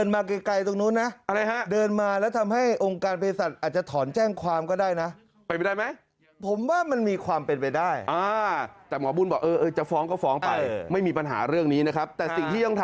ไปมาต้องมีการปิดคอมเมนต์